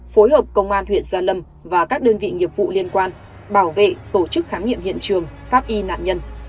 phối hợp công an huyện gia lâm và các đơn vị nghiệp vụ liên quan bảo vệ tổ chức khám nghiệm hiện trường pháp y nạn nhân